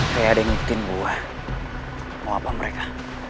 kayak ada yang ngikutin gue mau apa mereka